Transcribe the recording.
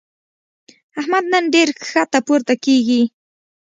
احمد نن ډېر ښکته پورته کېږي.